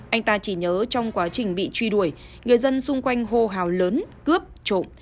anh ta chỉ nhớ trong quá trình bị truy đuổi người dân xung quanh hô hào lớn cướp trộm